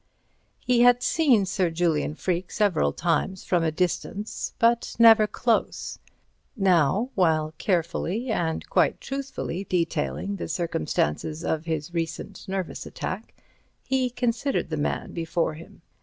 He had seen Sir Julian Freke several times from a distance, but never close. Now, while carefully and quite truthfully detailing the circumstances of his recent nervous attack, he considered the man before him.